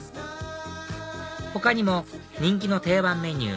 他にも人気の定番メニュー